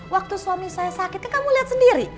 waktu suami saya sakit kan kamu lihat sendiri